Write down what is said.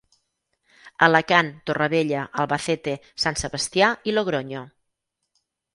Alacant, Torrevella, Albacete, Sant Sebastià i Logronyo.